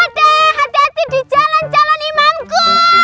aduh hati hati di jalan calon imamku